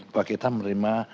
bahwa kita menerima